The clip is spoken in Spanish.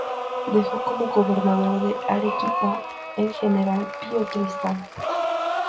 Dejó como gobernador de Arequipa al general Pío Tristán.